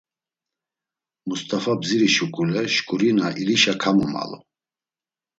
Must̆afa bziri şuǩule şǩurina ilişa kamomalu.